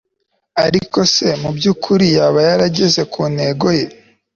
Ariko se mu byukuri yaba yarageze ku ntego ye